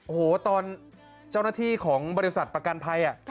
โอ้โหตอนเจ้าหน้าที่ของบริษัทประกันภัย